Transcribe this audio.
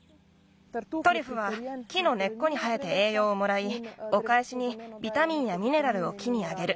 トリュフは木のねっこに生えてえいようをもらいおかえしにビタミンやミネラルを木にあげる。